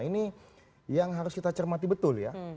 ini yang harus kita cermati betul ya